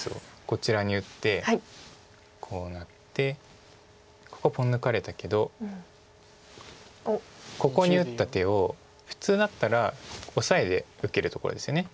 こちらに打ってこうなってここポン抜かれたけどここに打った手を普通だったらオサエで受けるとこですよね